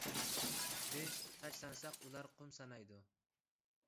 بىز تاش سانىساق، ئۇلار قۇم سانايدۇ.